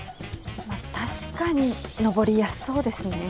まあ確かに登りやすそうですね。